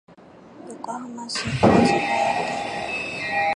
横浜市保土ケ谷区